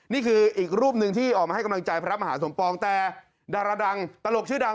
นี่คืออีกรูปหนึ่งที่ออกมาให้กำลังใจพระมหาสมปองแต่ดารดังตลกชื่อดัง